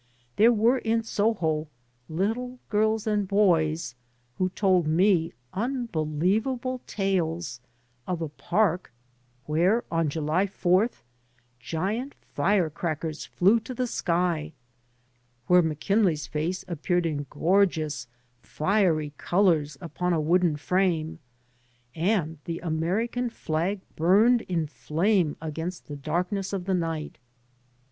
There were in Soho little girls and boys who told me unbelievable tales of a park, where on July 4th giant fire crackers flew to the sky, where McKinley's face appeared in gorgeous fiery colors upon a wooden frame, and the Ameri can flag burned in flame against the darkness of the night.